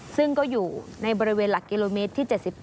ซึ่งก็อยู่ในบริเวณหลักกิโลเมตรที่๗๘